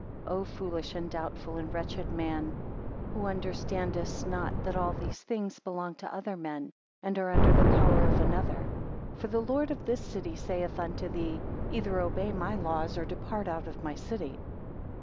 3 O foolish, and doubtful, and wretched man; who understandest not that all these things belong to other men, and are under the power of another. For the Lord of this city saith unto thee; Either obey my laws, or depart out of my city.